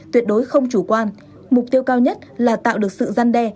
tuyệt đối không chủ quan mục tiêu cao nhất là tạo được sự gian đe